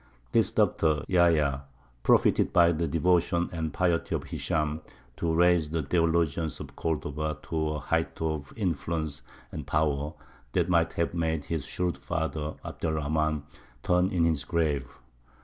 This doctor, Yahya, profited by the devotion and piety of Hishām to raise the theologians of Cordova to a height of influence and power that might have made his shrewd father, Abd er Rahmān, turn in his grave.